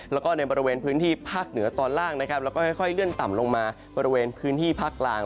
แล้วก็ในบริเวณพื้นที่ภาคเหนือตอนล่างนะครับแล้วก็ค่อยเลื่อนต่ำลงมาบริเวณพื้นที่ภาคกลาง